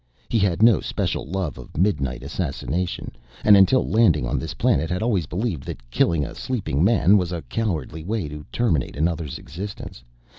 He had no special love of midnight assassination, and until landing on this planet had always believed that killing a sleeping man was a cowardly way to terminate another's existence.